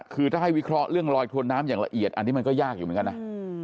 คือถ้าให้วิเคราะห์เรื่องลอยถวนน้ำอย่างละเอียดอันนี้มันก็ยากอยู่เหมือนกันนะ